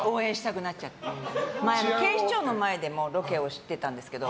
警視庁の前でもロケをしてたんですけど。